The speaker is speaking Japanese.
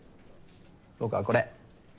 僕はこれ。